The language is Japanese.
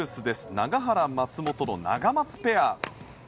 永原、松本のナガマツペア。